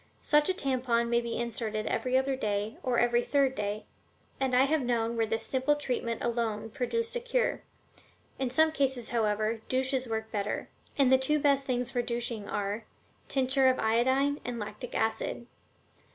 Such a tampon may be inserted every other day or every third day, and I have known where this simple treatment alone produced a cure. In some cases, however, douches work better, and the two best things for douching are: tincture of iodine and lactic acid.